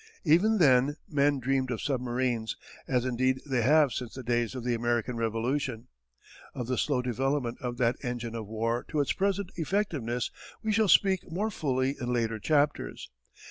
Even then men dreamed of submarines, as indeed they have since the days of the American Revolution. Of the slow development of that engine of war to its present effectiveness we shall speak more fully in later chapters.